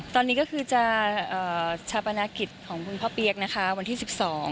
ตอนนี้ก็คือจะชาปนกิจของคุณพ่อเปี๊ยกนะคะวันที่สิบสอง